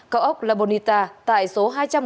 cao ốc la bonita tại số hai trăm một mươi năm